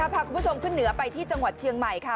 พาคุณผู้ชมขึ้นเหนือไปที่จังหวัดเชียงใหม่ค่ะ